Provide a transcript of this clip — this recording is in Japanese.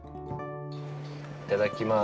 いただきます。